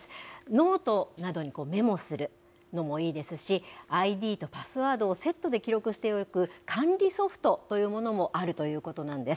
ノートなどにメモするのもいいですし、ＩＤとパスワードをセットで記録しておく管理ソフトというものもあるということなんです。